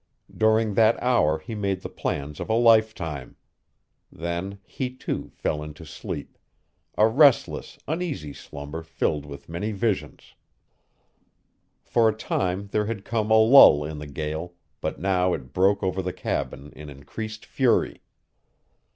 During that hour he made the plans of a lifetime. Then he, too, fell into sleep a restless, uneasy slumber filled with many visions. For a time there had come a lull in the gale, but now it broke over the cabin in increased fury.